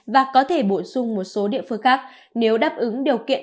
và có thể bổ sung một số địa phương khác nếu đáp ứng điều kiện